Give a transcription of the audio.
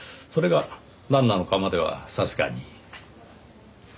それがなんなのかまではさすがに。